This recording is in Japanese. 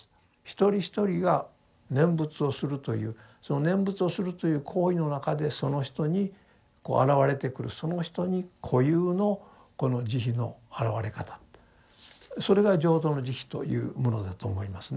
一人一人が念仏をするというその念仏をするという行為の中でその人に現れてくるその人に個有のこの慈悲の現れ方それが浄土の慈悲というものだと思いますね。